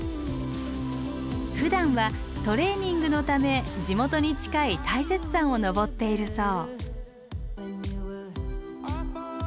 ふだんはトレーニングのため地元に近い大雪山を登っているそう。